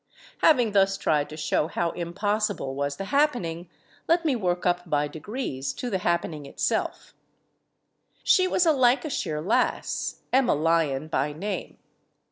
Having thus tried to show how impossible was the LADY HAMILTON 251 happening, let me work up by degrees to the happen ing itself. She was a Lancashire lass, Emma Lyon by name.